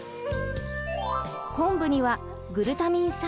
昆布にはグルタミン酸。